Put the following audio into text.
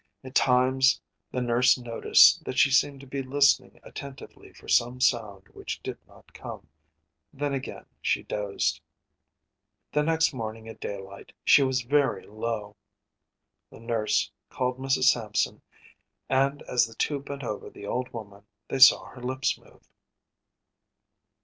At times the nurse noticed that she seemed to be listening attentively for some sound which did not come; then again she dozed. The next morning at daylight she was very low. The nurse called Mrs. Sampson and as the two bent over the old woman they saw her lips move.